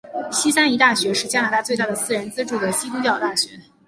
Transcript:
西三一大学是加拿大最大的私人资助的基督教大学。